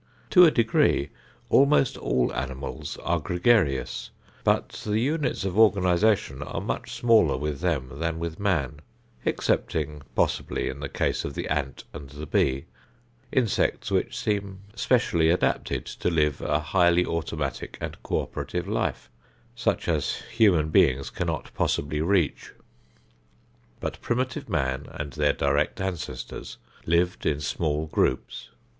To a degree almost all animals are gregarious, but the units of organization are much smaller with them than with man, excepting possibly in the case of the ant and the bee, insects which seem specially adapted to live a highly automatic and cooperative life, such as human beings cannot possibly reach. But primitive men and their direct ancestors lived in small groups.